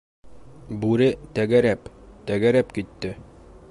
Бүре тәгәрәп, тәгәрәп китте.